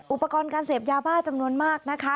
อุปกรณ์การเสพยาบ้าจำนวนมากนะคะ